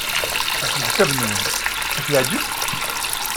Ɣef leḥsab-nwen, ad t-yeɛjeb?